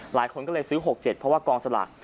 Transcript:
หลายคนก็เลยซื้อ๖๗เพราะว่ากองสลาก